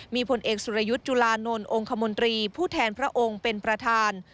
มีผลเอกสุรยุทธ์จุลานนท์องค์คมนตรีผู้แทนพระองค์เป็นประธาน